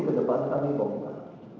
ke depan kami bongkar